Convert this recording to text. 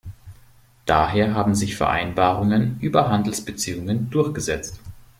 Daher haben sich Vereinbarungen über Handelsbeziehungen durchgesetzt.